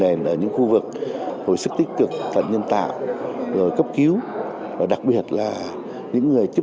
bệnh nền ở những khu vực hồi sức tích cực phận nhân tạo rồi cấp cứu và đặc biệt là những người tiếp